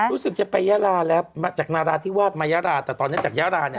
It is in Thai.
รู้สึกจะไปยาลาแล้วมาจากนาราธิวาสมายาราแต่ตอนนี้จากยาราเนี่ย